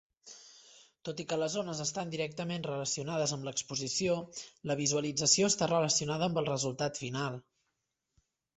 Tot i que les zones estan directament relacionades amb l'exposició, la visualització està relacionada amb el resultat final.